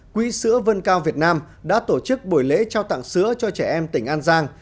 quỹ sữa vân cao việt nam đã tổ chức buổi lễ trao tặng sữa cho trẻ em tỉnh an giang